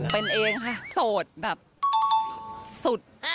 เป็นเองค่ะโสดแบบสุด